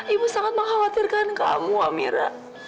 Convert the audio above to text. ibu sangat mengkhawatirkan kamu amira